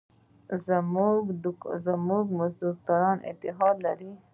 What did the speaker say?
آیا مزدوران اتحادیه لري؟